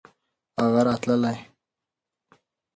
هغه راتلی .